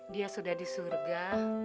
dia sudah disurga